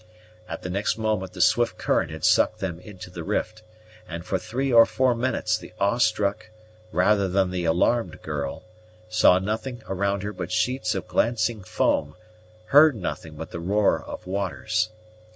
At the next moment the swift current had sucked them into the rift, and for three or four minutes the awe struck, rather than the alarmed, girl saw nothing around her but sheets of glancing foam, heard nothing but the roar of waters.